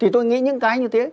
tôi nghĩ những cái như thế